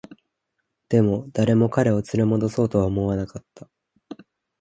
でも、誰も彼を連れ戻そうとは思わなかった